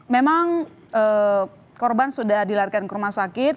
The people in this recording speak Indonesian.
memang korban sudah dilarikan ke rumah sakit